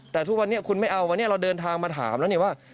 แต่ทุกวันนี้คุณไม่เอาวันนี้เราเดินทางมาถามแล้วเนี่ยว่า